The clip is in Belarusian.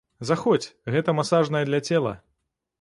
Заходзь, гэта масажная для цела.